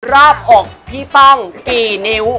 รอบ๖พี่ป้องปีนิ้ว